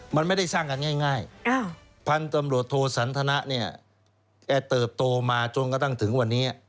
มันไม่ได้สร้างกันง่ายพันธุ์ตำรวจโทสันทนะเนี่ยแกเติบโตมาจนกระทั่งถึงวันนี้